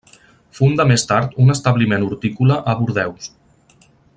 Funda més tard un establiment hortícola a Bordeus.